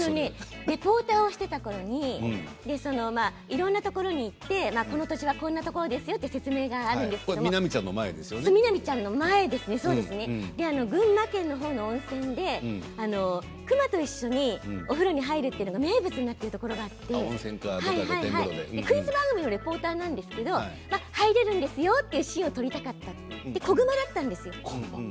リポーターをしていたころにいろんなところに行ってこんなところですという説明があるんですけど南ちゃんの前ですね群馬県の温泉で熊と一緒にお風呂に入るというのが名物になっているところがあってクイズ番組のリポーターなんですけれど入れるんですよというシーンを撮りたかったんです。